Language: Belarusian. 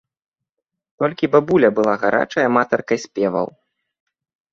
Толькі бабуля была гарачай аматаркай спеваў.